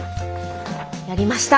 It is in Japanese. やりました！